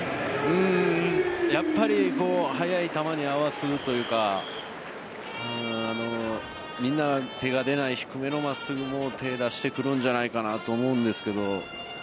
やっぱり速い球に合わすというかみんな手が出ない低めの真っすぐも手を出してくるんじゃないかなと思うんですが。